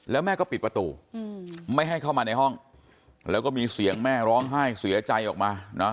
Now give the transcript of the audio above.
แล้วแม่ก็ปิดประตูไม่ให้เข้ามาในห้องแล้วก็มีเสียงแม่ร้องไห้เสียใจออกมานะ